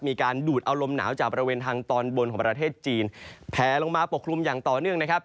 ดูดเอาลมหนาวจากบริเวณทางตอนบนของประเทศจีนแผลลงมาปกคลุมอย่างต่อเนื่องนะครับ